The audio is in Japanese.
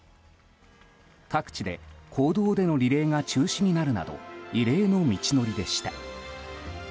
各地で公道でのリレーが中止となるなど異例の道のりでした。